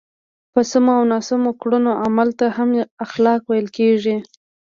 په سمو او ناسم کړنو عمل ته هم اخلاق ویل کېږي.